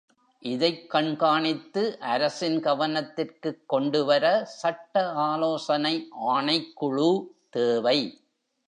இதைக் கண்காணித்து அரசின் கவனத்திற்குக் கொண்டுவர சட்ட ஆலோசனை ஆணைக்குழு தேவை.